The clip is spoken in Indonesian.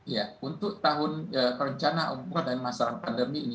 ya untuk tahun rencana umroh dan masalah pandemi ini